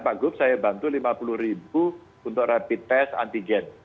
pak gop saya bantu rp lima puluh untuk rapid test antigen